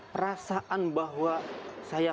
perasaan bahwa saya